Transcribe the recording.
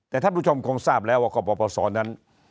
แต่ท่านผู้ชมคงทราบแล้วว่ากรปศนั้น